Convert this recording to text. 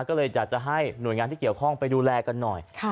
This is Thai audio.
ก็เลยอยากจะให้หน่วยงานที่เกี่ยวข้องไปดูแลกันหน่อย